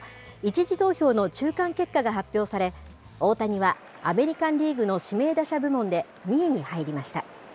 １次投票の中間結果が発表され、大谷はアメリカンリーグの指名打者部門で２位に入りました。